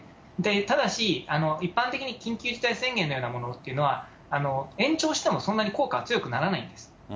ただし、一般的に緊急事態前言のようなものというのは、延長してもそんなに効果は強くならないんです。